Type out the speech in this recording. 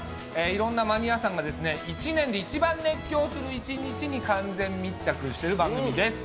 いろんなマニアさんが１年で一番熱狂する一日に完全密着している番組です。